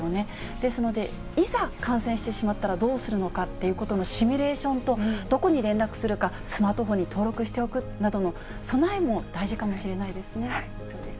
ですので、いざ感染してしまったらどうするのかっていうことのシミュレーションと、どこに連絡するか、スマートフォンに登録しておくなどの備えも大事かもしれないです